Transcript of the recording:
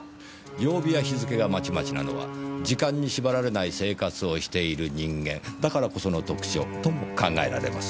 曜日や日付がまちまちなのは時間に縛られない生活をしている人間だからこその特徴とも考えられます。